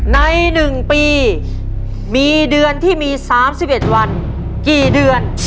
ในหนึ่งปีมีเดือนที่มีสามสิบเอ็ดวันกี่เดือน